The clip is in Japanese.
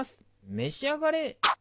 召し上がれ！